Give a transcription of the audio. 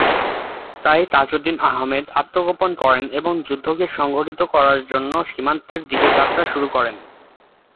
তাই তাজউদ্দীন আহমদ আত্মগোপন করেন এবং যুদ্ধকে সংগঠিত করার জন্য সীমান্তের দিকে যাত্রা করেন।